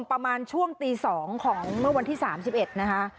ประมาณช่วงตี๒ของเมื่อวันที่๓๑นะคะ